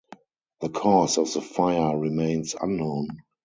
The cause of the fire remains unknown.